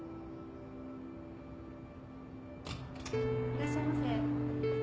・・いらっしゃいませ。